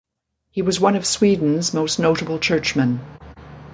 He was one of Sweden's most notable churchmen.